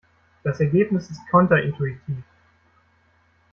Das Ergebnis ist konterintuitiv.